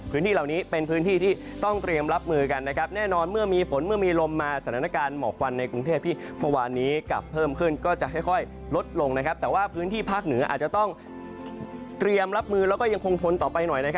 พื้นที่เหล่านี้เป็นพื้นที่ที่ต้องเตรียมรับมือกัน